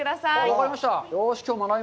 分かりました。